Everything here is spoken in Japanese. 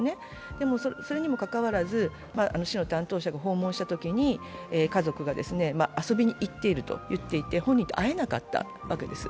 でも、それにもかかわらず、市の担当者が訪問したときに家族が、遊びに行っていると言っていて本人と会えなかったわけです。